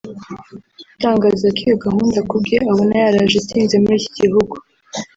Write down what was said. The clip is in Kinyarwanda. utangaza ko iyo gahunda ku bwe abona yaraje itinze muri iki gihugu